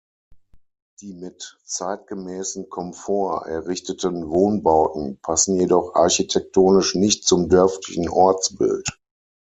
Die mit zeitgemäßen Komfort errichteten Wohnbauten passen jedoch architektonisch nicht zum dörflichen Ortsbild.